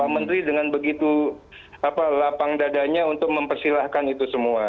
menteri dengan begitu lapang dadanya untuk mempersilahkan itu semua